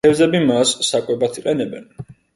თევზები მას საკვებად იყენებენ.